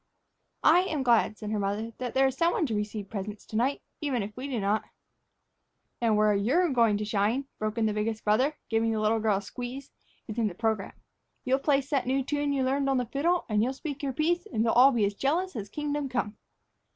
"I am glad," said her mother, "that some one is to receive presents to night, even if we do not." "And where you're goin' to shine," broke in the biggest brother, giving the little girl a squeeze, "is in the program. You'll play that new tune you learned on the fiddle, and you'll speak your piece; and they'll all be as jealous as kingdom come.